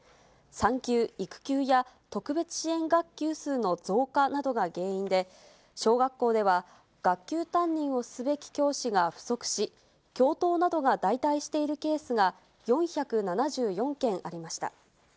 産休、育休や、特別支援学級数の増加などが原因で、小学校では学級担任をすべき教師が不足し、教頭などが代替しているケースが、４７４件ありました。